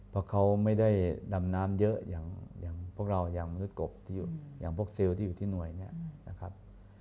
เพราะเขาไม่ได้ดำน้ำเยอะอย่างพวกเราอย่างมนุษย์กบที่อย่างพวกเซลล์ที่อยู่ที่หน่วยเนี่ยนะครับ